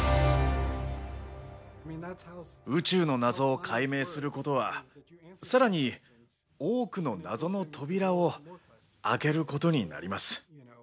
宇宙の謎を解明することはさらに多くの謎の扉を開けることになります。